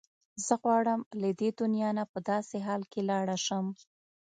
زه غواړم له دې دنیا نه په داسې حال کې لاړه شم.